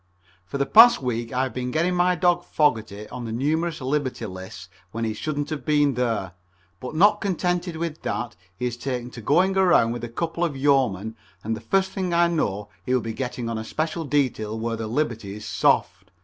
For the past week I have been getting my dog Fogerty on numerous liberty lists when he shouldn't have been there, but not contented with that he has taken to going around with a couple of yeomen, and the first thing I know he will be getting on a special detail where the liberty is soft.